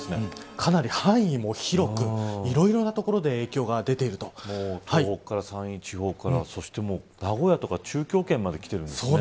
かなり範囲も広くいろいろな所で影響が東北から山陰地方からそして名古屋とか中京圏まできてるんですね。